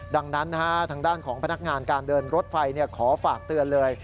ดังนั้นทางด้านของพนักงานการเดินรถไฟขอฝากเตือนเลย